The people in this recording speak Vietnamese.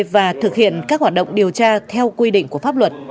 và thực hiện các hoạt động điều tra theo quy định của pháp luật